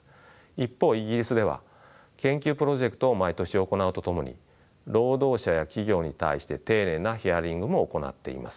一方イギリスでは研究プロジェクトを毎年行うとともに労働者や企業に対して丁寧なヒアリングも行っています。